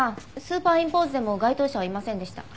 スーパーインポーズでも該当者はいませんでした。